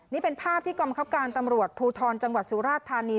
นี่เป็นภาพที่กองบังคับการตำรวจภูทรจังหวัดสุราชธานี